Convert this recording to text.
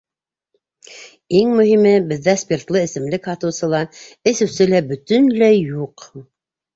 Иң мөһиме — беҙҙә спиртлы эсемлек һатыусы ла, эсеүсе лә бөтөнләй юҡ!